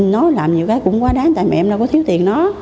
nó làm nhiều cái cũng quá đáng tại mẹ em đâu có thiếu tiền nó